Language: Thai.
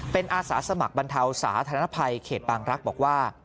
เป็นอาสาสมัครบรรเทาสาธารณภัยเขตบางรักษ์บอกว่า